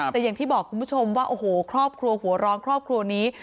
แต่อย่างที่บอกคุณผู้ชมว่าโอ้โหครอบครัวหัวร้อนครอบครัวนี้